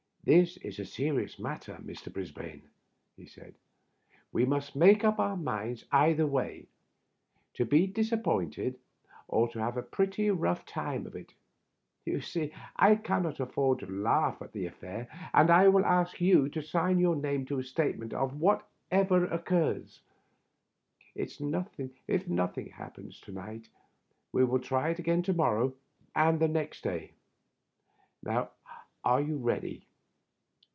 "This is a serious matter, Mr. Brisbane," he said. " We must make up our minds either way — to be disap pointed or to have a pretty rough time of it. Ton see I can not afford to laugh at the affair, and I will ask you to sign your name to a statement of whatever occurs. If nothing happens to night we will try it again to mor row and next day. Are you ready?"